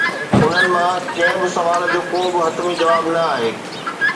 انهن مان ڪنهن به سوال جو ڪو به حتمي جواب نه آهي.